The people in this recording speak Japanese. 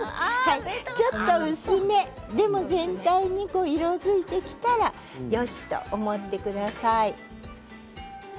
ちょっと薄め全体に色づいてきたらよしと思ってください。